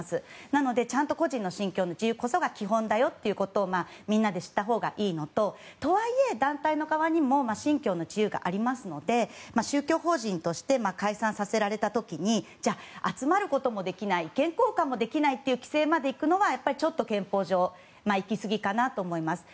なので、ちゃんと個人の信教の自由こそが基本だよということをみんなで知ったほうがいいのととはいえ団体の側にも信教の自由がありますので宗教法人として解散させられた時に集まることもできない意見交換もできないという規制まで行くのは憲法上いきすぎかなと思います。